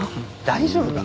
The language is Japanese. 大丈夫か？